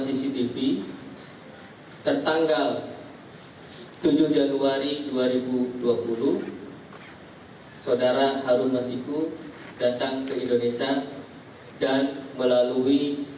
cctv tertanggal tujuh januari dua ribu dua puluh saudara harun masiku datang ke indonesia dan melalui